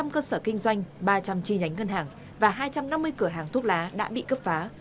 hai trăm linh cơ sở kinh doanh ba trăm linh chi nhánh ngân hàng và hai trăm năm mươi cửa hàng thuốc lá đã bị cấp phá